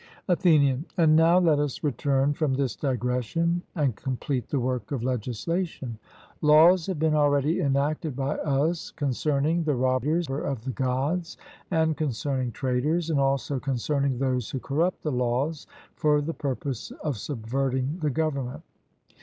ATHENIAN: And now let us return from this digression and complete the work of legislation. Laws have been already enacted by us concerning the robbers of the Gods, and concerning traitors, and also concerning those who corrupt the laws for the purpose of subverting the government.